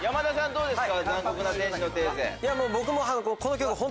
どうですか？